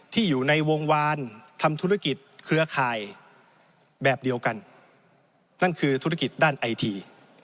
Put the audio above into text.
ที่อยู่ในวงวานทำธุรกิจเครือข่ายแบบเดียวกันนั่นคือธุรกิจด้านไอที